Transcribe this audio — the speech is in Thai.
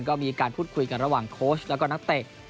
ก็มีการพูดคุยกันระหว่างโค้ชแล้วก็นักเตะ